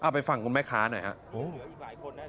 ไปฟังคุณแม่ค้าหน่อยครับ